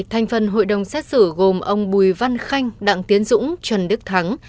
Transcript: thành phần hội đồng xét xử gồm ông bùi văn khanh đặng tiến dũng trần đức thắng